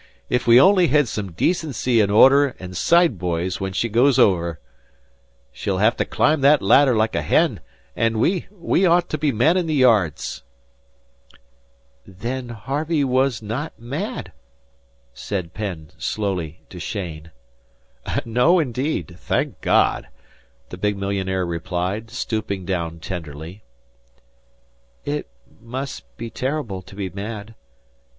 If we only hed some decency an' order an' side boys when she goes over! She'll have to climb that ladder like a hen, an' we we ought to be mannin' the yards!" "Then Harvey was not mad," said Penn, slowly, to Cheyne. "No, indeed thank God," the big millionaire replied, stooping down tenderly. "It must be terrible to be mad.